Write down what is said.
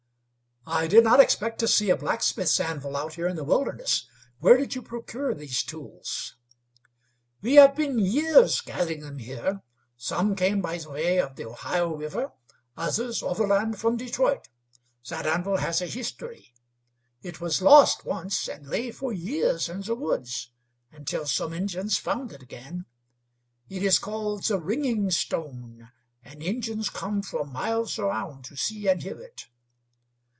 "I did not expect to see a blacksmith's anvil out here in the wilderness. Where did you procure these tools?" "We have been years getting them here. Some came by way of the Ohio River; others overland from Detroit. That anvil has a history. It was lost once, and lay for years in the woods, until some Indians found it again. It is called the Ringing Stone, and Indians come from miles around to see and hear it."